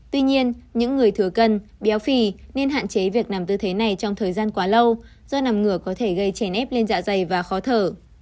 tuy nhiên những người thừa cân béo phì nên hạn chế việc nằm tư thế này trong thời gian quá lâu do nằm ngửa có thể gây chèn ép lên dạ dày và khó thở